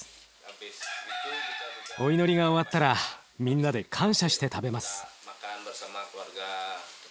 お祈りが終わったらみんなで感謝して食べます。